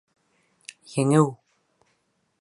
Еңеү!